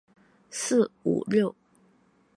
四五六